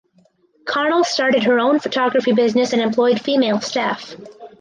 Connell started her own photography business and employed female staff.